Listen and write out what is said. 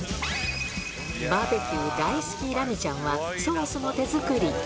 バーベキュー大好きラミちゃんは、ソースも手作り。